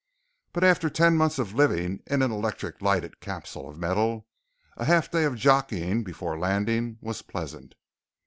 But after ten months of living in an electric lighted capsule of metal, a half day of jockeying before landing was pleasant.